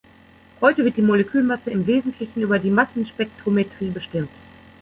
Heute wird die Molekülmasse im Wesentlichen über die Massenspektrometrie bestimmt.